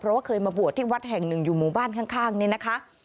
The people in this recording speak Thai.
เพราะว่าเคยมาบวชที่วัดแห่งหนึ่งอยู่หมู่บ้านข้างนี่นะคะ